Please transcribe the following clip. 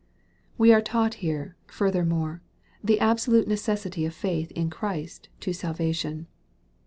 We are taught here, furthermore, the absolute necessity of faith in Christ to salvation.